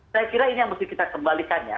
saya kira ini yang mesti kita kembalikannya